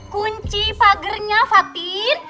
kunci pagernya fatin